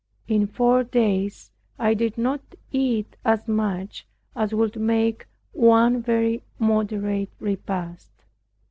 In four days I did not eat as much as would make one very moderate repast.